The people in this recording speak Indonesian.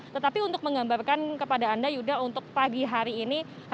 tetapi untuk menggambarkan kepada anda yuda untuk pagi hari ini